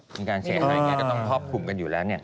มีการเสียงสายอย่างนี้ต้องครอบคุมกันอยู่แล้วแน่นอน